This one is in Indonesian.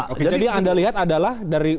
oke jadi yang anda lihat adalah dari